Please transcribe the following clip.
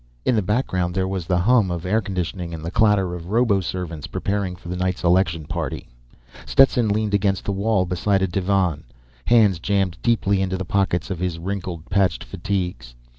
In the background there was the hum of air conditioning and the clatter of roboservants preparing for the night's election party. Stetson leaned against the wall beside a divan, hands jammed deeply into the pockets of his wrinkled, patched fatigues.